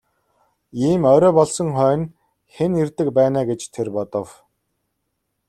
Ийм орой болсон хойно хэн ирдэг байна аа гэж тэр бодов.